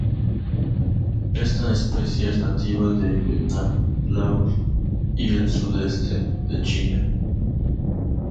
Esta especie es nativa de Vietnam, Laos y el sudeste de China.